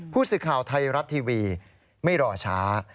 ผู้สื่อข่าวไทยรัฐทีวีไม่รอช้า